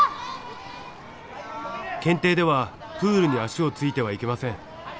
検定ではプールに足をついてはいけません。